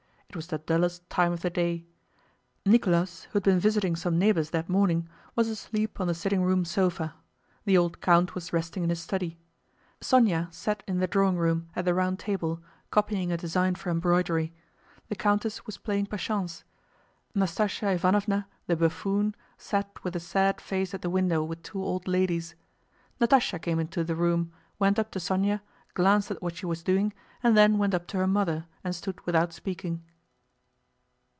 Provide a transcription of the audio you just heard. It was the dullest time of the day. Nicholas, who had been visiting some neighbors that morning, was asleep on the sitting room sofa. The old count was resting in his study. Sónya sat in the drawing room at the round table, copying a design for embroidery. The countess was playing patience. Nastásya Ivánovna the buffoon sat with a sad face at the window with two old ladies. Natásha came into the room, went up to Sónya, glanced at what she was doing, and then went up to her mother and stood without speaking.